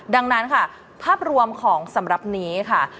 ดังนั้นค่ะภาพรวมของสำหรับนี้ค่ะ